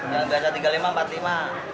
yang biasa tiga puluh lima empat puluh lima